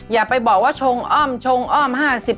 อย่าไปบอกว่าชงอ้อมชงอ้อม๕๐